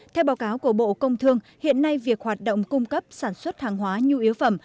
theo báo cáo của bộ công thương hiện nay việc hoạt động cung cấp sản xuất hàng hóa nhu yếu phẩm